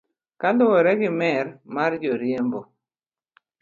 Kaluwore gi mer mar joriembo.